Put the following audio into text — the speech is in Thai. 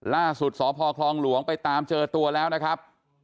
ล่าสุดสพคลองหลวงไปตามเจอตัวแล้วนะครับ